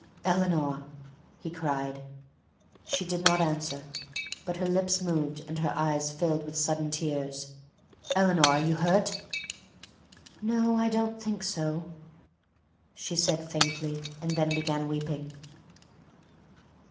"Eleanor!" he cried. She did not answer, but her lips moved and her eyes filled with sudden tears. "Eleanor, are you hurt?" "No; I don't think so," she said faintly, and then began weeping.